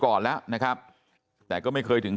กระดิ่งเสียงเรียกว่าเด็กน้อยจุดประดิ่ง